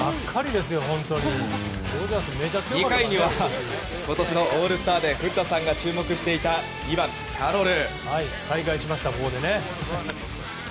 ２回には、今年のオールスターで古田さんが注目していた２番、キャロル。